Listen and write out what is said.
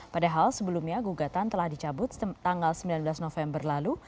padahal sebelumnya gugatan telah dicabut tanggal sembilan belas november lalu